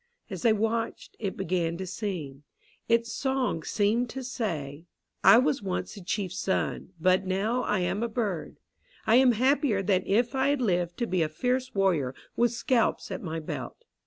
As they watched, it began to sing. Its song seemed to say: "I was once the chief's son. But now I am a bird. I am happier than if I had lived to be a fierce warrior, with scalps at my belt.